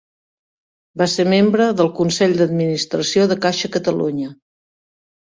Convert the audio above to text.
Va ser membre del consell d'administració de Caixa Catalunya.